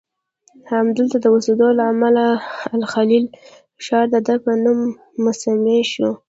همدلته د اوسیدو له امله الخلیل ښار دده په نوم مسمی شو.